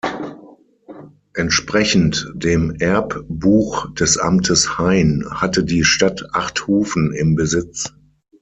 Entsprechend dem Erbbuch des Amtes Hayn hatte die Stadt acht Hufen im Besitz.